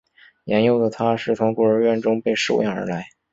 年幼的他是从孤儿院中被收养而来。